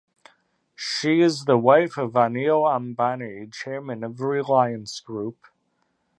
She is the wife of Anil Ambani, Chairman of Reliance Group.